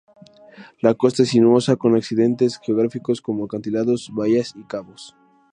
La costa es sinuosa, con accidentes geográficos como acantilados, bahías y cabos.